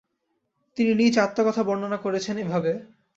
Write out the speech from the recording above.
তিনি নিজ আত্মকথা বর্ণনা করেছেন এভাবে-